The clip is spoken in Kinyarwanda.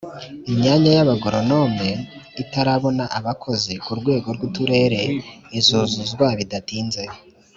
imyanya y'abagoronome itarabona abakozi ku rwego rw'uturere izuzuzwa bidatinze.